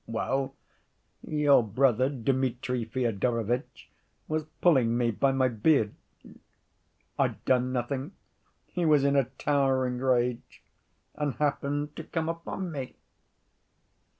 Well, your brother Dmitri Fyodorovitch was pulling me by my beard, I'd done nothing, he was in a towering rage and happened to come upon me.